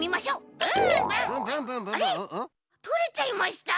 とれちゃいました。